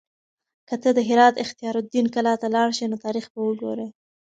که ته د هرات اختیار الدین کلا ته لاړ شې نو تاریخ به وګورې.